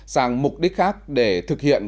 sang mục đích khác để thực hiện